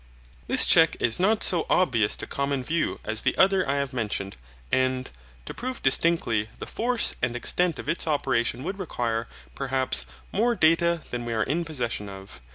This check is not so obvious to common view as the other I have mentioned, and, to prove distinctly the force and extent of its operation would require, perhaps, more data than we are in possession of.